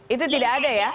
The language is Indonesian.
itu tidak ada ya